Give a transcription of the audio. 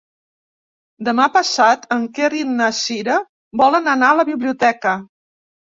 Demà passat en Quer i na Cira volen anar a la biblioteca.